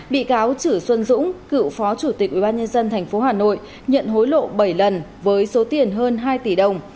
bị cáo chử xuân dũng cựu phó chủ tịch ubnd tp hà nội nhận hối lộ bảy lần với số tiền hơn hai tỷ đồng